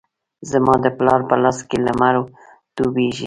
زما د پلار په لاس کې لمر ډوبیږې